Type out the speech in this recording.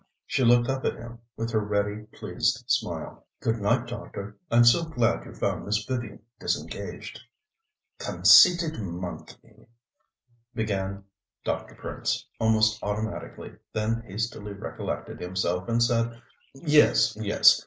She looked up at him with her ready, pleased smile. "Good night, doctor. I'm so glad you found Miss Vivian disengaged." "Conceited monkey " began Dr. Prince, almost automatically, then hastily recollected himself and said: "Yes, yes.